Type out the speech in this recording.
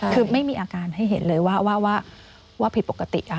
คือไม่มีอาการให้เห็นเลยว่าผิดปกติ